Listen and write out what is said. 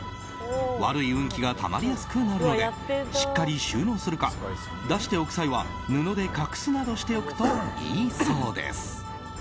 悪い運気がたまりやすくなるのでしっかり収納するか出しておく際は、布で隠すなどしておくといいそうです。